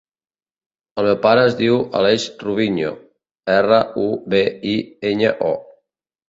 El meu pare es diu Aleix Rubiño: erra, u, be, i, enya, o.